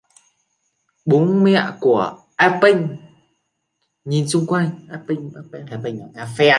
Bố mẹ của A Pheng nhìn xung quanh